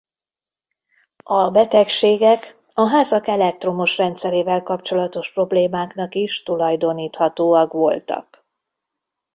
A betegségek a házak elektromos rendszerével kapcsolatos problémáknak is tulajdoníthatóak voltak.